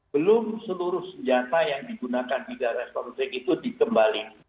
belum seluruh senjata yang digunakan di daerah konflik itu dikembali